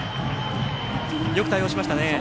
よく対応しましたね。